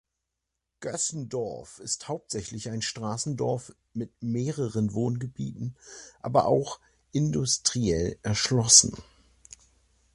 Gössendorf ist hauptsächlich ein Straßendorf mit mehreren Wohngebieten, aber auch industriell erschlossen.